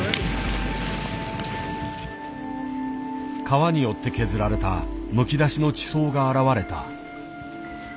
川によって削られたむき出しの地層が現れた。